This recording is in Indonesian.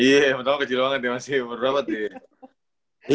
iya yang pertama kecil banget ya masih berapa tuh ya